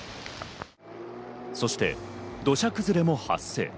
そして土砂崩れも発生。